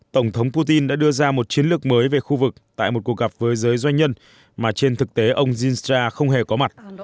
tổng thống putin đã đưa ra một chiến lược mới về khu vực tại một cuộc gặp với giới doanh nhân mà trên thực tế ông jinstra không hề có mặt